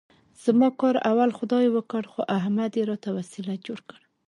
زما کار اول خدای وکړ، خو احمد یې راته وسیله جوړ کړ.